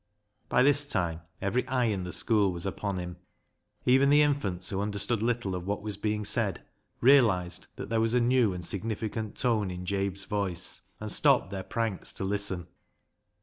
By this time every eye in the school was upon him ; even the infants, who understood little of what was being said, realised that there was a new and significant tone in Jabe's voice, and stopped their pranks to listen.